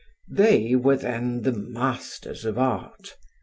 They were then the masters of art.